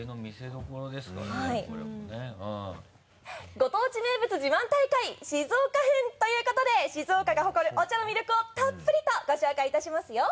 ご当地名物自慢大会静岡編ということで静岡が誇るお茶の魅力をたっぷりとご紹介いたしますよ！